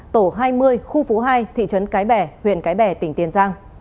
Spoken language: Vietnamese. tổ hai mươi khu phủ hai thị trấn cái bè huyện cái bè tỉnh tiên giang